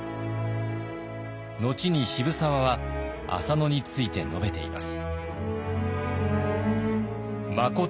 後に渋沢は浅野について述べています。